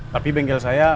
tapi bengkel saya